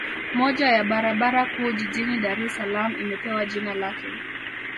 Moja ya barabara kuu jijini Dar es Salaam imepewa jina lake